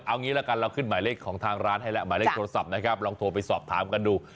เอางี้ละกันเราขึ้นหมายเลขของทางร้านให้แล้วหมายเลขโทรศัพท์นะครับลองโทรไปสอบถามกันดู